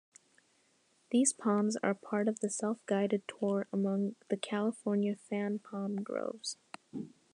These ponds are part of the self-guided tour among the California Fan Palm groves.